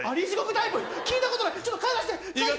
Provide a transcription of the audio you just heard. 聞いたことない、ちょっと帰らせて。